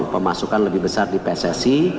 pemasukan lebih besar di pssi